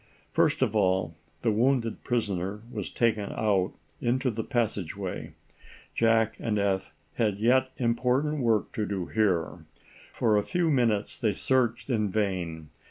First of all, the wounded prisoner was taken out into the passageway. Jack and Eph had yet important work to do here. For a few minutes they searched in vain.